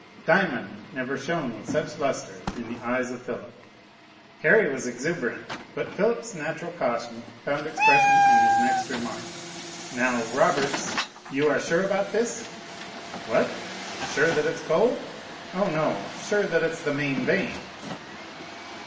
Diamond never shone with such lustre in the eyes of Philip. Harry was exuberant, but Philip's natural caution found expression in his next remark. "Now, Roberts, you are sure about this?" "What sure that it's coal?" "O, no, sure that it's the main vein."